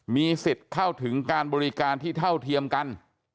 มีสิทธิ์เข้าถึงการบริการที่เท่าเทียมกัน